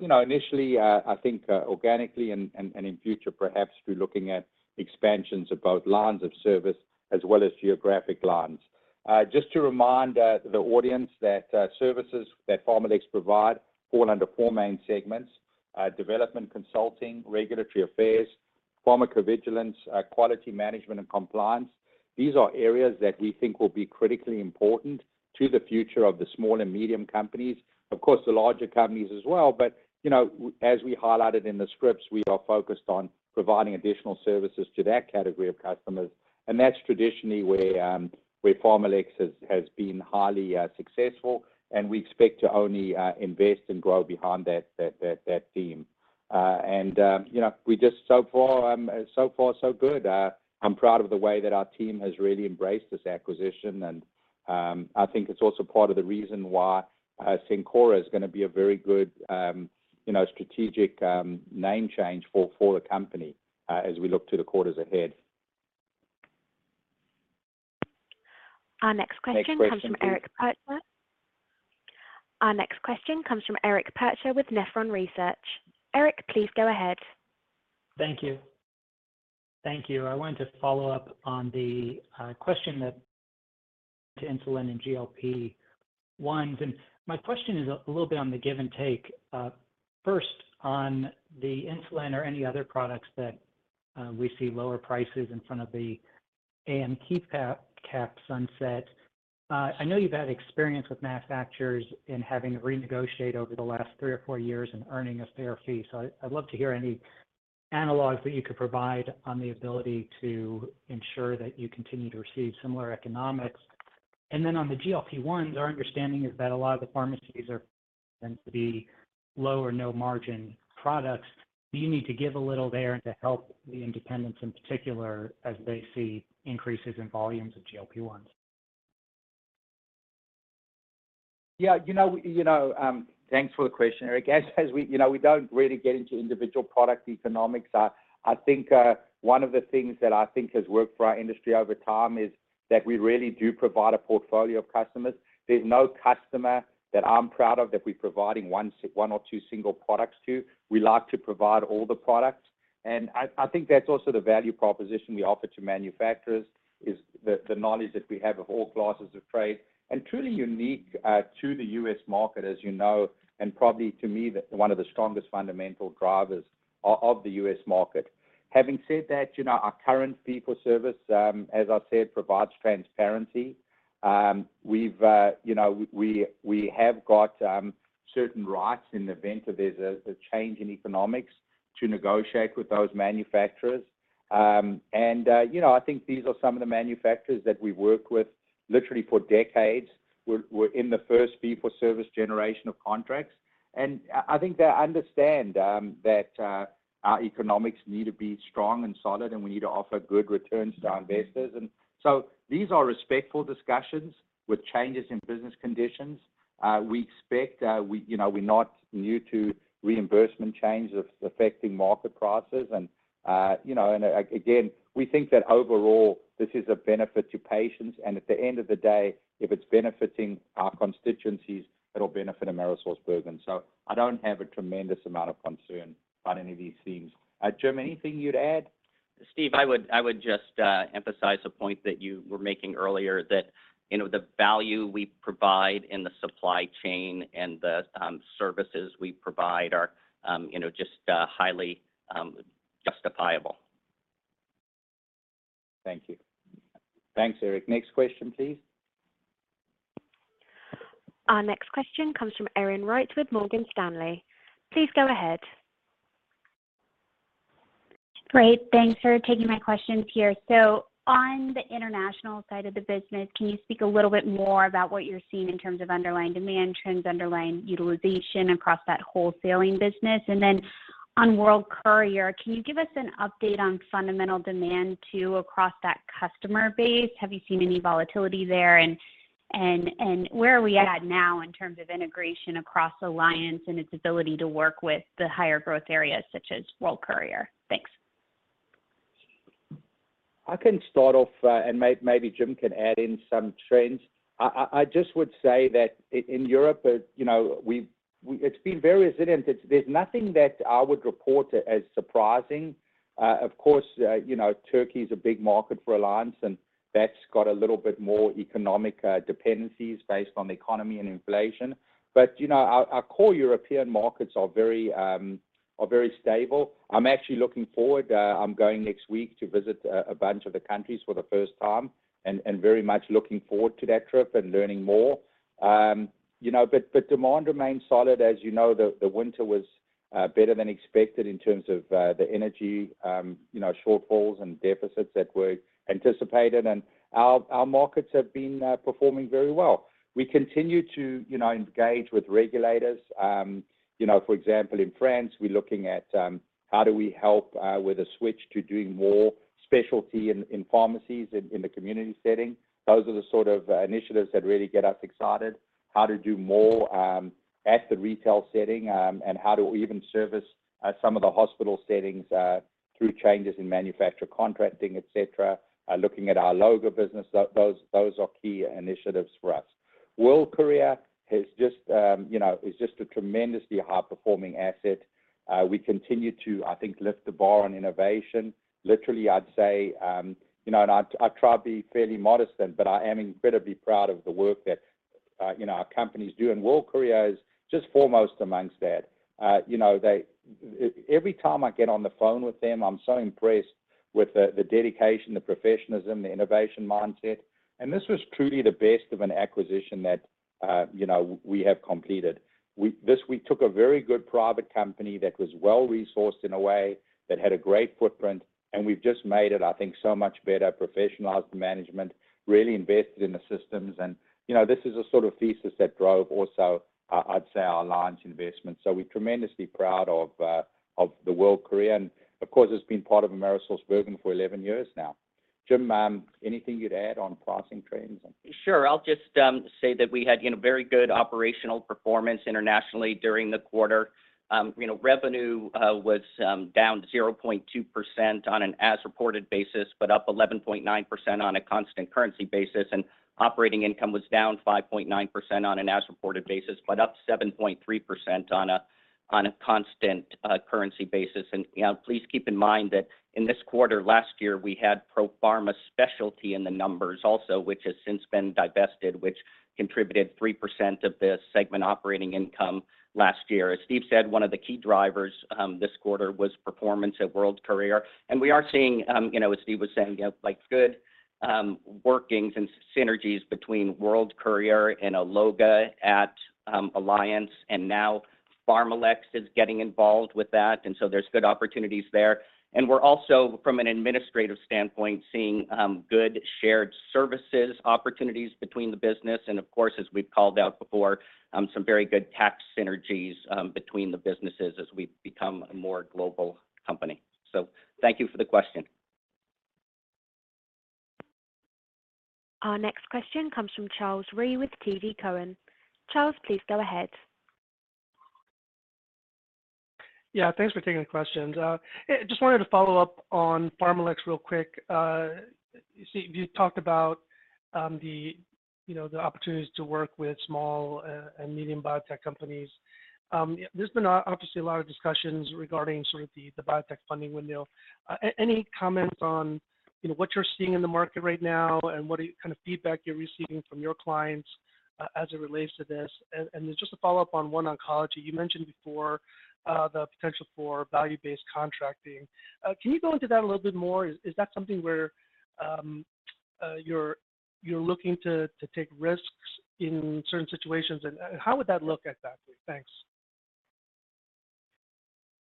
C: You know, initially, I think organically and in future perhaps through looking at expansions of both lines of service as well as geographic lines. Just to remind the audience that services that PharmaLex provide fall under four main segments: development consulting, regulatory affairs, pharmacovigilance, quality management and compliance. These are areas that we think will be critically important to the future of the small and medium companies. Of course, the larger companies as well, but, you know, as we highlighted in the scripts, we are focused on providing additional services to that category of customers. That's traditionally where PharmaLex has been highly successful, and we expect to only invest and grow behind that theme. You know, we just so far, so good. I'm proud of the way that our team has really embraced this acquisition and I think it's also part of the reason why Cencora is gonna be a very good, you know, strategic, name change for the company as we look to the quarters ahead.
A: Our next question comes from Eric Percher with Nephron Research. Eric, please go ahead.
G: Thank you. Thank you. I wanted to follow up on the question that to insulin and GLP-1s. My question is a little bit on the give and take. First on the insulin or any other products that we see lower prices in front of the AMP cap sunset. I know you've had experience with manufacturers in having to renegotiate over the last three or four years and earning a fair fee. I'd love to hear any analogs that you could provide on the ability to ensure that you continue to receive similar economics. On the GLP-1s, our understanding is that a lot of the pharmacies are tends to be low or no margin products. Do you need to give a little there to help the independents in particular as they see increases in volumes of GLP-1s?
C: Yeah. You know, thanks for the question, Eric. As we, you know, we don't really get into individual product economics. I think one of the things that I think has worked for our industry over time is that we really do provide a portfolio of customers. There's no customer that I'm proud of that we're providing one or two single products to. We like to provide all the products. I think that's also the value proposition we offer to manufacturers, is the knowledge that we have of all classes of trade and truly unique to the U.S. market, as you know, and probably to me, one of the strongest fundamental drivers of the U.S. market. Having said that, you know, our current fee for service, as I said, provides transparency. We've, you know, we have got certain rights in the event that there's a change in economics to negotiate with those manufacturers. I think these are some of the manufacturers that we work with literally for decades. We're in the first fee-for-service generation of contracts, I think they understand that our economics need to be strong and solid, and we need to offer good returns to our investors. These are respectful discussions with changes in business conditions. We expect, you know, we're not new to reimbursement changes affecting market prices, you know... Again, we think that overall this is a benefit to patients, and at the end of the day, if it's benefiting our constituencies, it'll benefit Cencora. I don't have a tremendous amount of concern on any of these things. Jim, anything you'd add?
D: Steve, I would just emphasize a point that you were making earlier that, you know, the value we provide in the supply chain and the services we provide are, you know, just highly justifiable.
G: Thank you.
B: Thanks, Eric. Next question, please.
A: Our next question comes from Erin Wright with Morgan Stanley. Please go ahead.
H: Great. Thanks for taking my questions here. On the international side of the business, can you speak a little bit more about what you're seeing in terms of underlying demand trends, underlying utilization across that wholesaling business? On World Courier, can you give us an update on fundamental demand too across that customer base? Have you seen any volatility there? Where are we at now in terms of integration across Alliance and its ability to work with the higher growth areas such as World Courier? Thanks.
C: I can start off, and maybe Jim can add in some trends. I just would say that in Europe, you know, it's been very resilient. There's nothing that I would report as surprising. Of course, you know, Turkey's a big market for Alliance, and that's got a little bit more economic dependencies based on the economy and inflation. You know, our core European markets are very stable. I'm actually looking forward. I'm going next week to visit a bunch of the countries for the first time and very much looking forward to that trip and learning more. You know, demand remains solid. As you know, the winter was better than expected in terms of the energy, you know, shortfalls and deficits that were anticipated. Our markets have been performing very well. We continue to, you know, engage with regulators. You know, for example, in France, we're looking at how do we help with a switch to doing more specialty in pharmacies in the community setting. Those are the sort of initiatives that really get us excited. How to do more at the retail setting, and how do we even service some of the hospital settings through changes in manufacturer contracting, et cetera. Looking at our logo business, those are key initiatives for us. World Courier has just, you know, is just a tremendously high-performing asset. We continue to, I think, lift the bar on innovation. Literally, I'd say, you know, and I try to be fairly modest then, but I am incredibly proud of the work that, you know, our company's doing. World Courier is just foremost amongst that. You know, every time I get on the phone with them, I'm so impressed with the dedication, the professionalism, the innovation mindset, and this was truly the best of an acquisition that, you know, we have completed. This, we took a very good private company that was well-resourced in a way, that had a great footprint, and we've just made it, I think, so much better. Professionalized the management, really invested in the systems and, you know, this is a sort of thesis that drove also, I'd say our Alliance investment. We're tremendously proud of the World Courier, of course, it's been part of AmerisourceBergen for 11 years now. Jim, anything you'd add on pricing trends and?
D: Sure. I'll just, you know, say that we had, you know, very good operational performance internationally during the quarter. Revenue was down 0.2% on an as-reported basis, but up 11.9% on a constant currency basis. Operating income was down 5.9% on an as-reported basis, but up 7.3% on a constant currency basis. You know, please keep in mind that in this quarter last year, we had Profarma Specialty in the numbers also, which has since been divested, which contributed 3% of the segment operating income last year. As Steve said, one of the key drivers this quarter was performance at World Courier. We are seeing, you know, as Steve Collis was saying, you know, like good workings and synergies between World Courier and Alloga at Alliance, and now PharmaLex is getting involved with that, and so there's good opportunities there. We're also, from an administrative standpoint, seeing good shared services opportunities between the business and of course, as we've called out before, some very good tax synergies between the businesses as we become a more global company. Thank you for the question.
A: Our next question comes from Charles Rhyee with TD Cowen. Charles, please go ahead.
I: Yeah, thanks for taking the questions. Just wanted to follow up on PharmaLex real quick. Steve, you talked about, you know, the opportunities to work with small and medium biotech companies. There's been obviously a lot of discussions regarding sort of the biotech funding window. Any comments on, you know, what you're seeing in the market right now and what kind of feedback you're receiving from your clients, as it relates to this? Then just a follow-up on OneOncology. You mentioned before, the potential for value-based contracting. Can you go into that a little bit more? Is that something where you're looking to take risks in certain situations, and how would that look exactly? Thanks.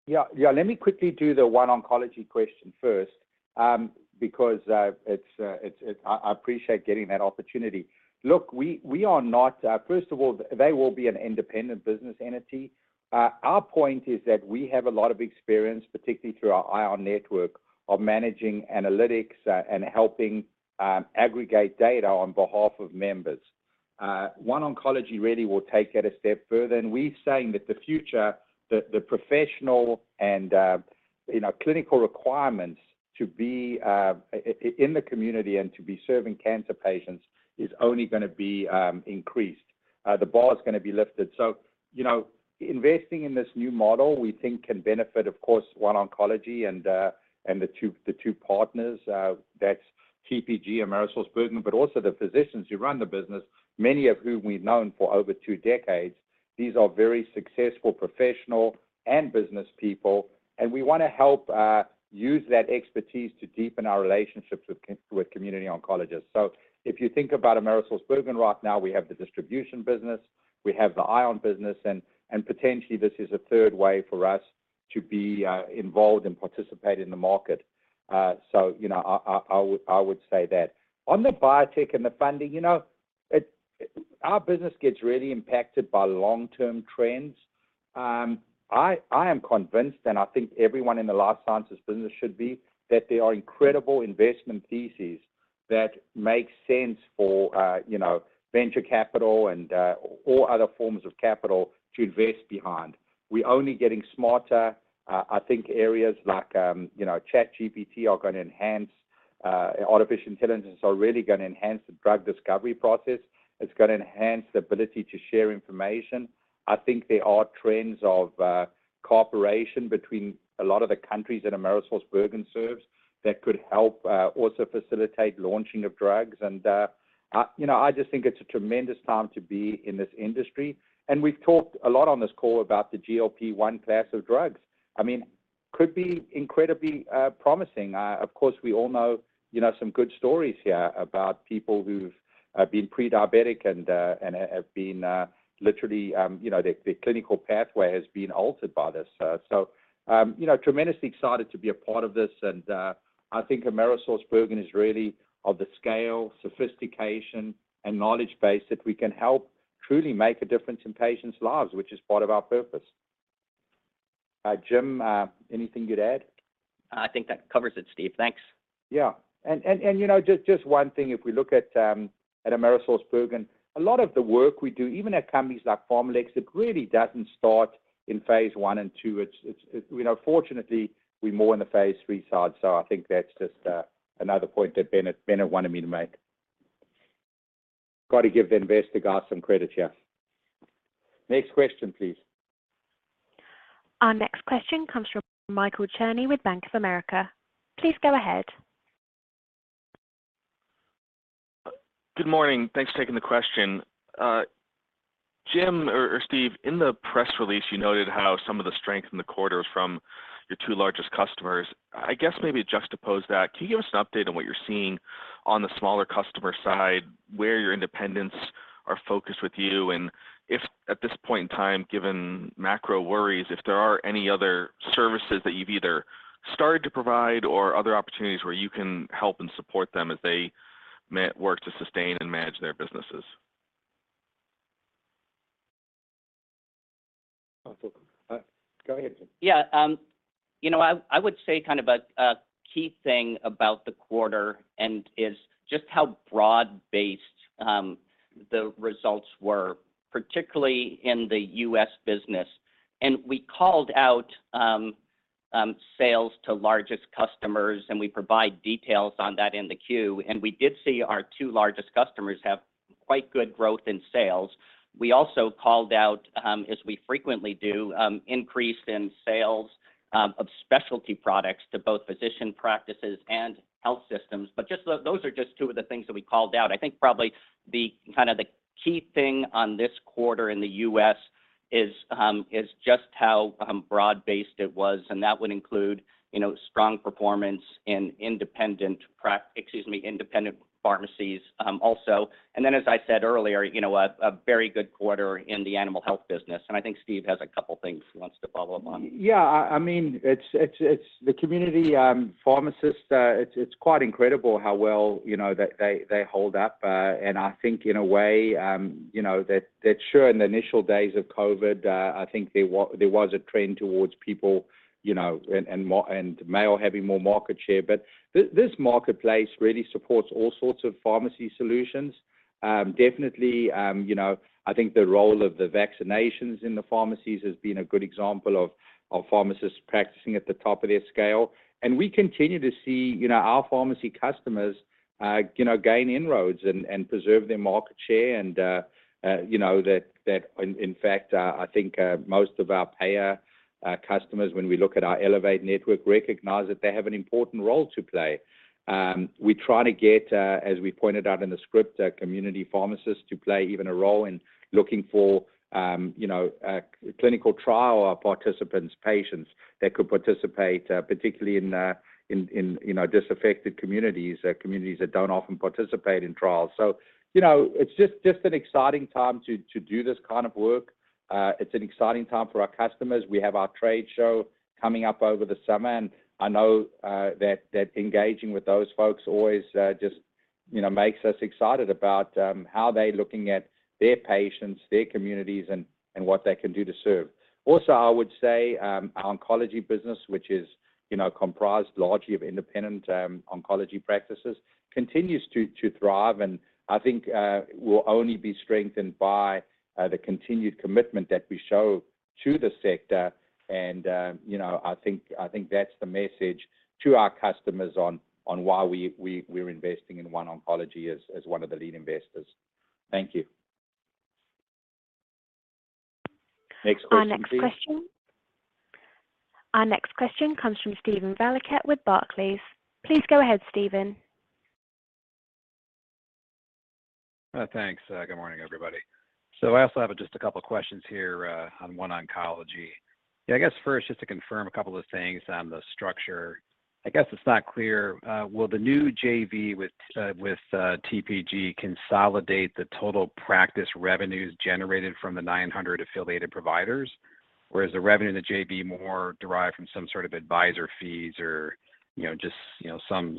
C: Yeah. Yeah. Let me quickly do the OneOncology question first, because it's... I appreciate getting that opportunity. Look, we are not... First of all, they will be an independent business entity. Our point is that we have a lot of experience, particularly through our ION network, of managing analytics, and helping aggregate data on behalf of members. OneOncology really will take that a step further. We're saying that the future, the professional and, you know, clinical requirements to be in the community and to be serving cancer patients is only gonna be increased. The bar is gonna be lifted. You know, investing in this new model, we think can benefit, of course, OneOncology and the two partners, that's TPG, AmerisourceBergen, but also the physicians who run the business, many of whom we've known for over two decades. These are very successful professional and business people, we wanna help use that expertise to deepen our relationships with community oncologists. If you think about AmerisourceBergen right now, we have the distribution business, we have the ION business, and potentially this is a third way for us to be involved and participate in the market. You know, I would say that. On the biotech and the funding, you know, our business gets really impacted by long-term trends. I am convinced, and I think everyone in the life sciences business should be, that there are incredible investment theses that make sense for, you know, venture capital and all other forms of capital to invest behind. We're only getting smarter. I think areas like, you know, ChatGPT are gonna enhance, artificial intelligence are really gonna enhance the drug discovery process. It's gonna enhance the ability to share information. I think there are trends of cooperation between a lot of the countries that Cencora serves that could help also facilitate launching of drugs. I, you know, I just think it's a tremendous time to be in this industry. We've talked a lot on this call about the GLP-1 class of drugs. I mean, could be incredibly promising. Of course, we all know, you know, some good stories here about people who've been pre-diabetic and have been literally, you know. The clinical pathway has been altered by this. You know, tremendously excited to be a part of this. I think Cencora is really of the scale, sophistication, and knowledge base that we can help truly make a difference in patients' lives, which is part of our purpose. Jim Cleary, anything you'd add?
D: I think that covers it, Steve. Thanks.
C: Yeah. You know, just one thing. If we look at AmerisourceBergen, a lot of the work we do, even at companies like PharmaLex, it really doesn't start in phase 1 and 2. It's, you know, fortunately, we're more in the phase 3 side. I think that's just another point that Bennett wanted me to make. Got to give the investor guy some credit, yeah.
B: Next question, please.
A: Our next question comes from Michael Cherny with Bank of America. Please go ahead.
J: Good morning. Thanks for taking the question. Jim or Steve, in the press release, you noted how some of the strength in the quarter was from your two largest customers. I guess maybe juxtapose that. Can you give us an update on what you're seeing on the smaller customer side, where your independents are focused with you, and if at this point in time, given macro worries, if there are any other services that you've either started to provide or other opportunities where you can help and support them as they work to sustain and manage their businesses?
C: Go ahead, Jim.
D: Yeah. You know, I would say kind of a key thing about the quarter and is just how broad-based the results were, particularly in the U.S. business. We called out sales to largest customers, and we provide details on that in the queue. We did see our two largest customers have quite good growth in sales. We also called out, as we frequently do, increase in sales of specialty products to both physician practices and health systems. Just those are just two of the things that we called out. I think probably the kind of the key thing on this quarter in the U.S. is just how broad-based it was, and that would include, you know, strong performance in independent pharmacies also. As I said earlier, you know, a very good quarter in the animal health business. I think Steve has a couple things he wants to follow up on.
C: Yeah. I mean, it's the community pharmacist, it's quite incredible how well, you know, they hold up. I think in a way, you know, that sure in the initial days of COVID, I think there was a trend towards people, you know, and mail having more market share. This marketplace really supports all sorts of pharmacy solutions. Definitely, you know, I think the role of the vaccinations in the pharmacies has been a good example of pharmacists practicing at the top of their scale. We continue to see, you know, our pharmacy customers, you know, gain inroads and preserve their market share and, you know, that in fact, I think, most of our payer customers when we look at our Elevate network recognize that they have an important role to play. We try to get, as we pointed out in the script, community pharmacists to play even a role in looking for, you know, clinical trial participants, patients that could participate, particularly in, you know, disaffected communities that don't often participate in trials. You know, it's just an exciting time to do this kind of work. It's an exciting time for our customers. We have our trade show coming up over the summer, and I know that engaging with those folks always, just, you know, makes us excited about how they're looking at their patients, their communities and what they can do to serve. Also, I would say, our oncology business, which is, you know, comprised largely of independent oncology practices, continues to thrive, and I think will only be strengthened by the continued commitment that we show to the sector. You know, I think, I think that's the message to our customers on why we're investing in OneOncology as one of the lead investors. Thank you.
B: Next question, please.
A: Our next question comes from Steven Valiquette with Barclays. Please go ahead, Steven.
K: Thanks. Good morning, everybody. I also have just a couple of questions here on OneOncology. I guess first just to confirm a couple of things on the structure. I guess it's not clear, will the new JV with TPG consolidate the total practice revenues generated from the 900 affiliated providers? Whereas the revenue in the JV more derived from some sort of advisor fees or, you know, just, you know, some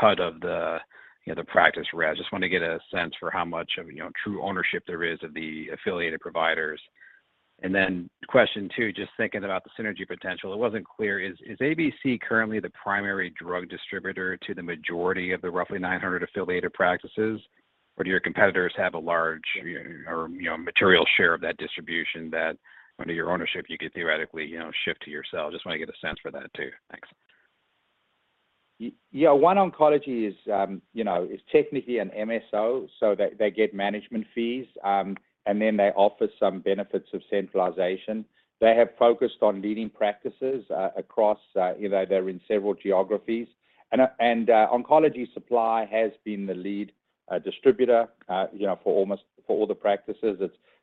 K: cut of the, you know, the practice rev? Just want to get a sense for how much of, you know, true ownership there is of the affiliated providers. Then question 2, just thinking about the synergy potential. It wasn't clear. Is ABC currently the primary drug distributor to the majority of the roughly 900 affiliated practices? Do your competitors have a large or, you know, material share of that distribution that under your ownership you could theoretically, you know, shift to yourself? Just want to get a sense for that too. Thanks.
C: Yeah. OneOncology is, you know, is technically an MSO, so they get management fees, and then they offer some benefits of centralization. They have focused on leading practices across, you know, they're in several geographies. Oncology Supply has been the lead distributor, you know, for almost for all the practices.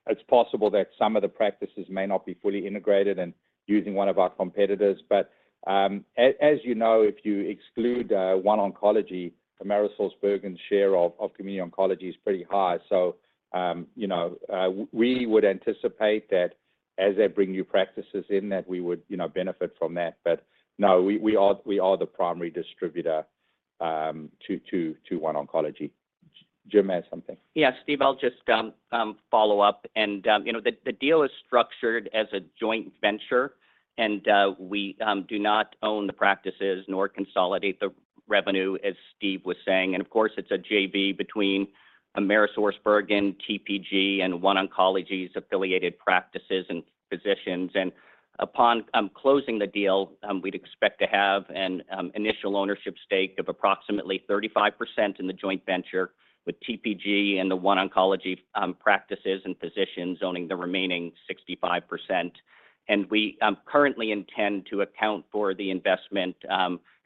C: It's possible that some of the practices may not be fully integrated and using one of our competitors. As you know, if you exclude OneOncology, AmerisourceBergen's share of community oncology is pretty high. You know, we would anticipate that as they bring new practices in that we would, you know, benefit from that. No, we are the primary distributor to OneOncology. Jim has something.
D: Yeah. Steve, I'll just follow up, you know, the deal is structured as a joint venture. We do not own the practices nor consolidate the revenue, as Steve was saying. Of course, it's a JV between AmerisourceBergen, TPG, and OneOncology's affiliated practices and physicians. Upon closing the deal, we'd expect to have an initial ownership stake of approximately 35% in the joint venture with TPG and the OneOncology practices and physicians owning the remaining 65%. We currently intend to account for the investment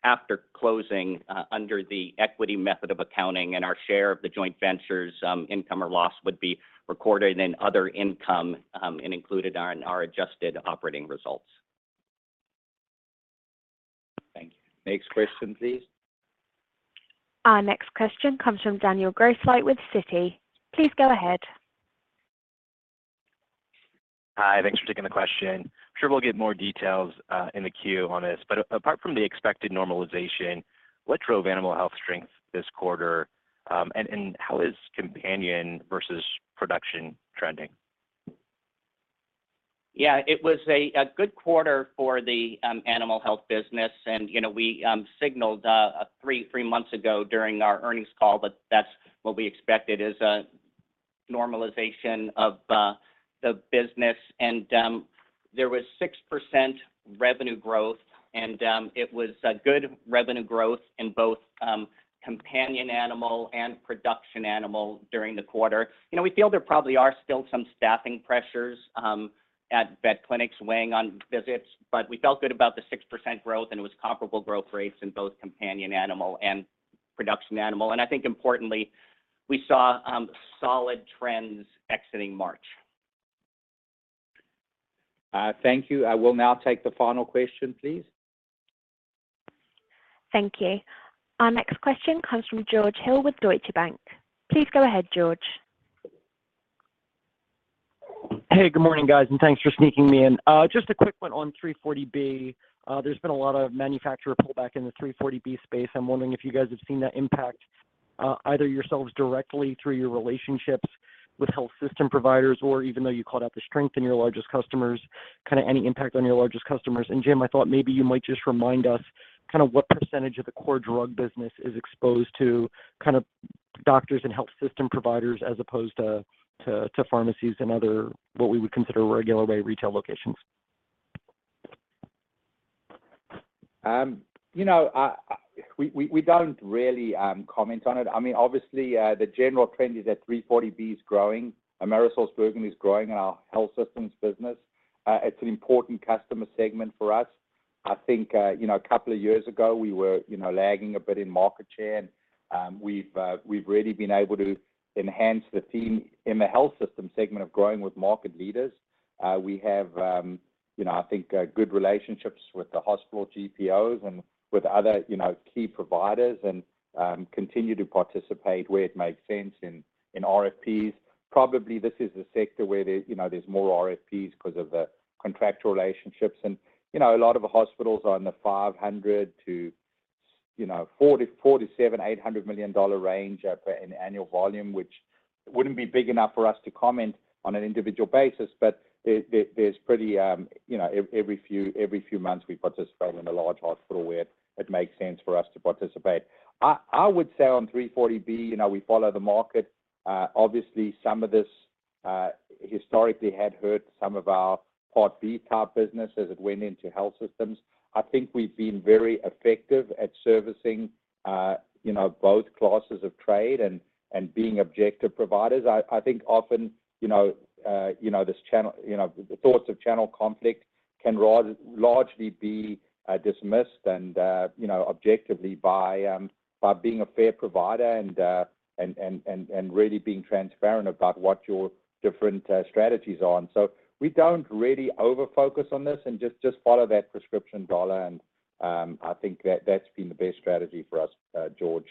D: after closing under the equity method of accounting and our share of the joint ventures income or loss would be recorded in other income and included in our adjusted operating results.
B: Thank you. Next question, please.
A: Our next question comes from Daniel Grosslight with Citi. Please go ahead.
L: Hi. Thanks for taking the question. I'm sure we'll get more details, in the queue on this, but apart from the expected normalization, what drove Animal Health strength this quarter, and how is companion versus production trending?
D: Yeah, it was a good quarter for the Animal Health business. You know, we signaled 3 months ago during our earnings call that that's what we expected, is a normalization of the business. There was 6% revenue growth, it was a good revenue growth in both companion animal and production animal during the quarter. You know, we feel there probably are still some staffing pressures at vet clinics weighing on visits, but we felt good about the 6% growth, and it was comparable growth rates in both companion animal and production animal. I think importantly, we saw solid trends exiting March.
B: Thank you. I will now take the final question, please.
A: Thank you. Our next question comes from George Hill with Deutsche Bank. Please go ahead, George.
M: Hey, good morning, guys, and thanks for sneaking me in. Just a quick one on 340B. There's been a lot of manufacturer pullback in the 340B space. I'm wondering if you guys have seen that impact, either yourselves directly through your relationships with health system providers, or even though you called out the strength in your largest customers, kind of any impact on your largest customers. Jim, I thought maybe you might just remind us kind of what % of the core drug business is exposed to kind of doctors and health system providers as opposed to pharmacies and other, what we would consider regular way retail locations?
C: you know, we don't really comment on it. I mean, obviously, the general trend is that 340B is growing. Cencora is growing in our health systems business. It's an important customer segment for us. I think, you know, a couple of years ago, we were, you know, lagging a bit in market share, and we've really been able to enhance the team in the health system segment of growing with market leaders. we have, you know, I think, good relationships with the hospital GPOs and with other, you know, key providers and continue to participate where it makes sense in RFPs. Probably this is a sector where there, you know, there's more RFPs 'cause of the contractual relationships and, you know, a lot of the hospitals are in the $500 million to, you know, $40 million, $47 million, $800 million range for in annual volume, which wouldn't be big enough for us to comment on an individual basis. There's pretty, you know, every few, every few months we participate in a large hospital where it makes sense for us to participate. I would say on 340B, you know, we follow the market. Obviously some of this historically had hurt some of our Part B type business as it went into health systems. I think we've been very effective at servicing, you know, both classes of trade and being objective providers. I think often this channel, you know, the thoughts of channel conflict can largely be dismissed and objectively by being a fair provider and really being transparent about what your different strategies are on. We don't really over-focus on this and just follow that prescription dollar and I think that that's been the best strategy for us, George.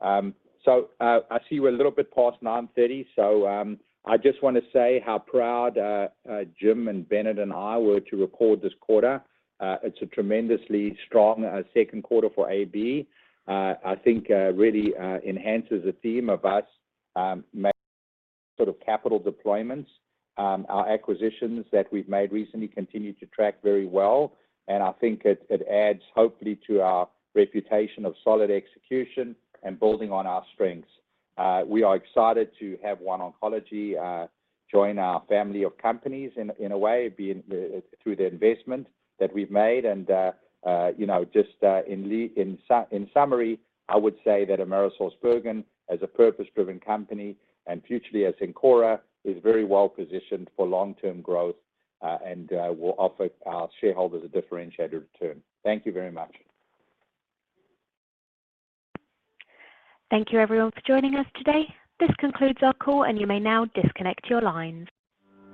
C: I see we're a little bit past 9:30, I just wanna say how proud Jim and Bennett and I were to record this quarter. It's a tremendously strong second quarter for AB, I think really enhances the theme of us sort of capital deployments. Our acquisitions that we've made recently continue to track very well and I think it adds hopefully to our reputation of solid execution and building on our strengths. We are excited to have OneOncology join our family of companies in a way through the investment that we've made. You know, just in summary, I would say that AmerisourceBergen as a purpose-driven company and crucially as Cencora, is very well positioned for long-term growth and will offer our shareholders a differentiated return. Thank you very much.
A: Thank you everyone for joining us today. This concludes our call and you may now disconnect your lines.